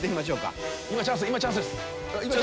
今チャンスです！